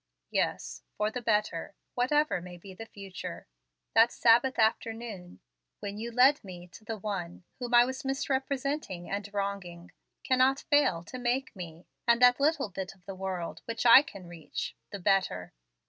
"Yes, for the better, whatever may be the future. That Sabbath afternoon, when you led me to the One whom I was misrepresenting and wronging, cannot fail to make me, and that little bit of the world which I can reach, the better.